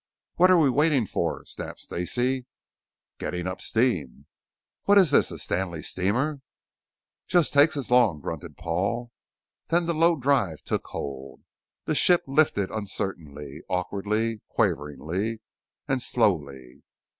"What are we waiting for?" snapped Stacey. "Getting up steam." "What is this, a Stanley Steamer?" "Just takes as long," grunted Paul. Then the low drive took hold. The ship lifted uncertainly, awkwardly, quaveringly, and slowly.